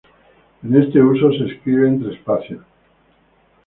En este uso, se escribe entre espacios.